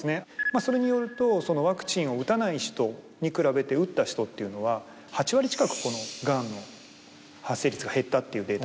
それによるとワクチンを打たない人に比べて打った人というのは８割近くこのガンの発生率が減ったっていうデータだったんですね。